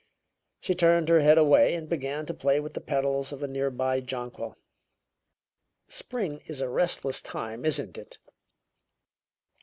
She turned her head away and began to play with the petals of a near by jonquil. "Spring is a restless time, isn't it?"